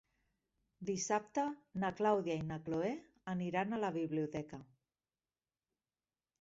Dissabte na Clàudia i na Cloè aniran a la biblioteca.